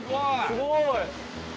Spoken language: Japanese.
すごい。